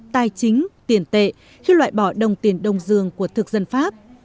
tài chính tiền tệ khi loại bỏ đồng tiền đông dương của thực dân pháp